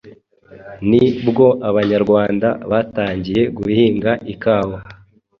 ni bwo Abanyarwanda batangiye guhinga ikawa